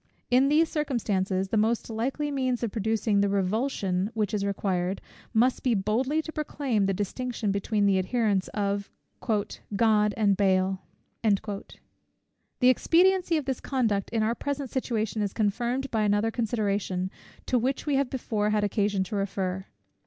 In these circumstances, the most likely means of producing the revulsion which is required, must be boldly to proclaim the distinction between the adherents of "God and Baal." The expediency of this conduct in our present situation is confirmed by another consideration, to which we have before had occasion to refer.